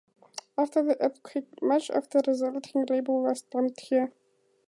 After the earthquake, much of the resulting rubble was dumped here.